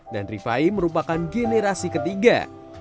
dan rifai merupakan generasi ketiga